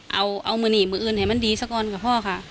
เอามือหนีมืออื่นให้มันดีซะก่อนค่ะพ่อค่ะ